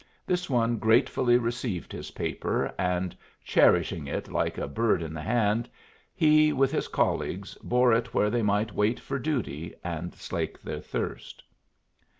This one gratefully received his paper, and, cherishing it like a bird in the hand, he with his colleagues bore it where they might wait for duty and slake their thirst.